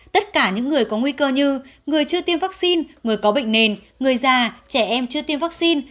tất cả những người có nguy cơ như người chưa tiêm vaccine người có bệnh nền người già trẻ em chưa tiêm vaccine